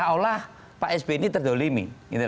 yang seolah olah pak sby ini terdolimi